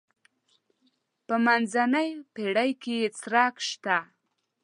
په منځنۍ پېړۍ کې یې څرک شته.